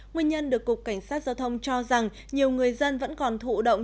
nguyên nhân được cục cảnh sát giao thông cho rằng nhiều người dân vẫn còn thụ động